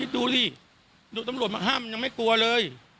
ดูสิตำรวจมาห้ามมันยังไม่กลัวเลย